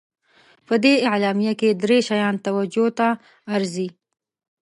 په دې اعلامیه کې درې شیان توجه ته ارزي.